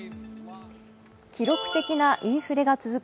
記録的なインフレが続く